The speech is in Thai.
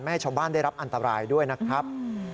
ให้ชาวบ้านได้รับอันตรายด้วยนะครับ